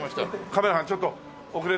カメラさんちょっと遅れたけどほら。